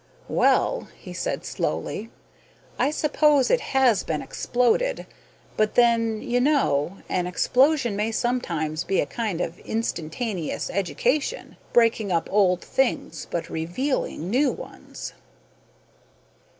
"Well," he said, slowly, "I suppose it has been exploded, but then, you know, an explosion may sometimes be a kind of instantaneous education, breaking up old things but revealing new ones."